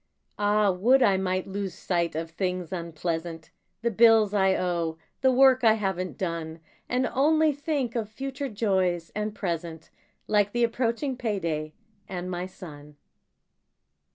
Ah, would I might lose sight of things unpleasant: The bills I owe; the work I haven't done. And only think of future joys and present, Like the approaching payday, and my son.